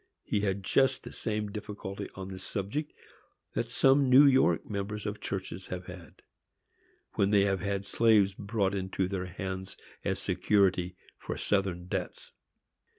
He had just the same difficulty on this subject that some New York members of churches have had, when they have had slaves brought into their hands as security for Southern debts.